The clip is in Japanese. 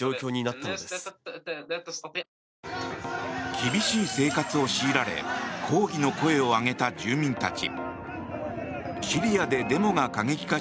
厳しい生活を強いられ抗議の声を上げた住民たち。